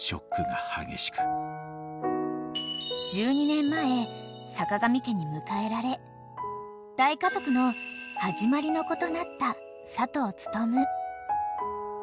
［１２年前坂上家に迎えられ大家族の始まりの子となった佐藤ツトム］